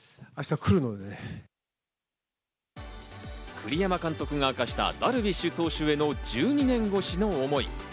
栗山監督が明かした、ダルビッシュ投手への１２年越しの思い。